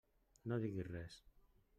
No diguis res.